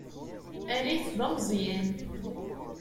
Err-it d ameẓẓyan.